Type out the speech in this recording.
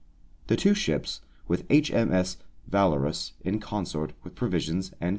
The two ships, with H.M.S. Valorous in consort with provisions, &c.